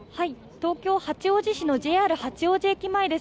東京・八王子市のＪＲ八王子駅前です。